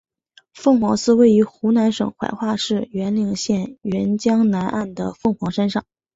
凤凰寺位于湖南省怀化市沅陵县沅江南岸的凤凰山上。